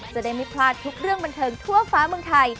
จะได้ไม่พลาดทุกเรื่องบันเทิงทั่วฟ้าเมืองไทย